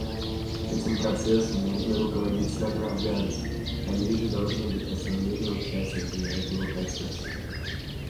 Этим процессом должны руководить сами афганцы, они же должны быть основными участниками этого процесса.